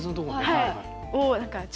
はい。